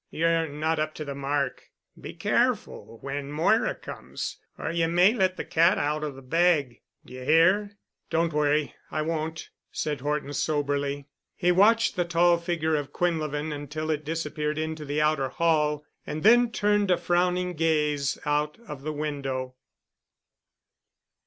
Ye're not up to the mark. Be careful when Moira comes, or ye may let the cat out of the bag. D'ye hear?" "Don't worry—I won't," said Horton soberly. He watched the tall figure of Quinlevin until it disappeared into the outer hall and then turned a frowning gaze out of the window.